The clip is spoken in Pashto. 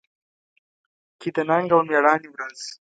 کې د ننګ او مېړانې ورځ